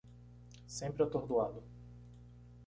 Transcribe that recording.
Sempre atordoado